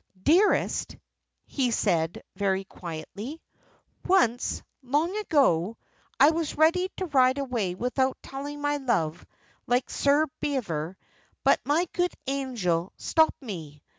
"Dearest," he said, very quietly, "once, long ago, I was ready to ride away without telling my love like Sir Bever, but my good angel stopped me.